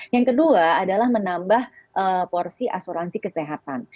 yang kedua adalah menambah porsi asuransi kesehatan